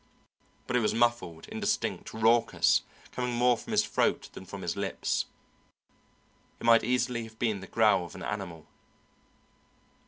but it was muffled, indistinct, raucous, coming more from his throat than from his lips. It might easily have been the growl of an animal.